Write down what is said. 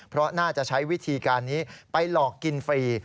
เพราะน่าจะใช้วิธีการนี้ไปหลอกกินฟรี